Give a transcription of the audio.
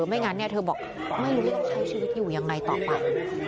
ไม่งั้นเธอบอกไม่รู้จะใช้ชีวิตอยู่ยังไงต่อไป